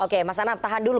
oke mas anam tahan dulu